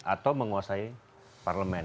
atau menguasai parlemen